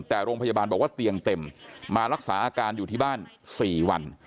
แต่โรงพยาบาลบอกว่าเตียงเต็มมารักษาอาการอยู่ที่บ้าน๔วัน